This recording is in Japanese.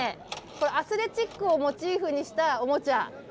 これ、アスレチックをモチーフにしたおもちゃ。